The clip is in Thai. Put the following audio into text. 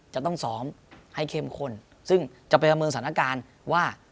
จะต้องซ้อมให้เข้มข้นซึ่งจะไปประเมินสถานการณ์ว่า